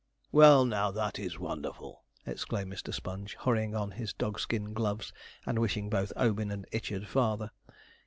'Well now, that is wonderful!' exclaimed Mr. Sponge, hurrying on his dog skin gloves, and wishing both Obin and Ichard farther.